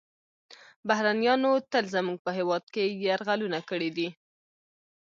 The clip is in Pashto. بهرنیانو تل زموږ په هیواد یرغلونه کړي دي